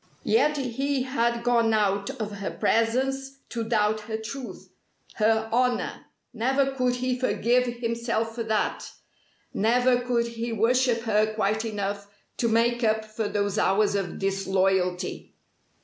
Yet he had gone out of her presence to doubt her truth, her honour! Never could he forgive himself for that, never could he worship her quite enough to make up for those hours of disloyalty.